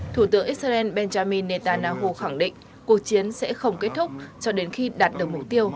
thủ tướng israel benjamin netanyahu khẳng định cuộc chiến sẽ không kết thúc cho đến khi đạt được mục tiêu